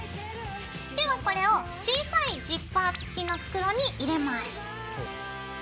ではこれを小さいジッパー付きの袋に入れます。